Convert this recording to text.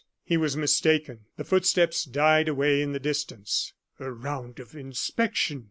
He was mistaken; the footsteps died away in the distance. "A round of inspection!"